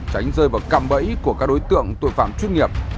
tránh rơi vào cạm bẫy của các đối tượng tội phạm chuyên nghiệp